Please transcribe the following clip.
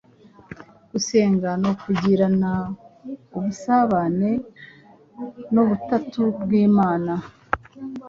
Gusenga ni ukugirana ubusabane n’Ubutatu bw’Imana.